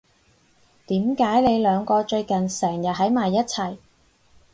點解你兩個最近成日喺埋一齊？